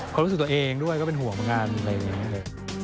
ความรู้สึกตัวเองด้วยก็เป็นห่วงเหมือนกันอะไรอย่างนี้เลย